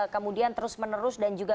kemudian terus menerus dan juga